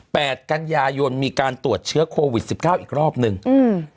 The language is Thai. กันยายนมีการตรวจเชื้อโควิดสิบเก้าอีกรอบหนึ่งอืม